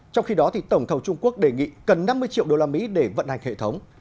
trong khi đó tổng thầu trung quốc đề nghị cần năm mươi triệu usd để vận hành hệ thống